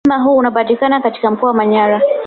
Mlima huu unapatikana katika mkoa wa Manyara